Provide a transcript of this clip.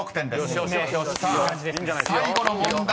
［さあ最後の問題